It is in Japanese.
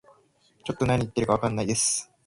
ちょっと何言ってるかわかんないです